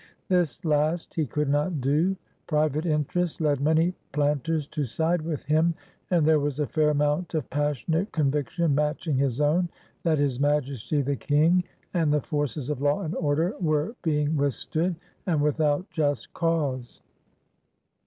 This last he could not do. Pri vate interest led many planters to side with him, and there was a fair amount of passionate con viction matching his own, that his Majesty the King and the forces of law and order were being withstood, and without just cause.